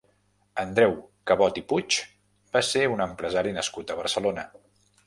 Andreu Cabot i Puig va ser un empresari nascut a Barcelona.